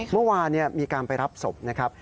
เมื่อวานมีการไปรับศพนะครับ